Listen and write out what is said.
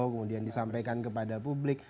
kemudian disampaikan kepada publik